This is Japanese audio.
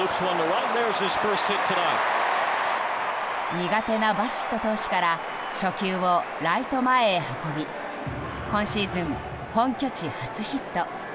苦手なバシット投手から初球をライト前へ運び今シーズン本拠地初ヒット。